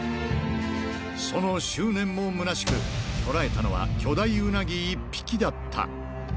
その執念もむなしく、捕らえたのは巨大ウナギ１匹だった。